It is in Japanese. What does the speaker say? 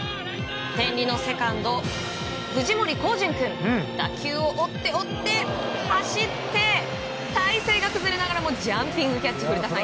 天理のセカンド、藤森康淳君打球を追って追って、走って体勢が崩れながらもジャンピングキャッチ。